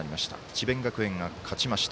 智弁学園が勝ちました。